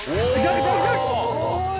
すごい！